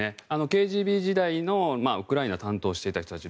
ＫＧＢ時代のウクライナを担当していた人たち